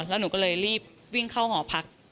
แล้วหนูก็เลยรีบวิ่งเข้าหอพัก